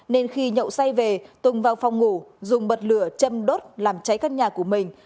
nên khi nhậu say về tùng vào phòng ngủ dùng bật lửa chăm đốt làm cháy căn nhà của mình